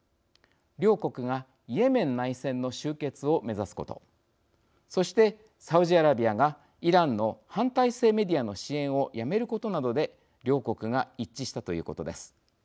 両国がイエメン内戦の終結を目指すことそしてサウジアラビアがイランの反体制メディアの支援をやめることなどで両国が一致したということです。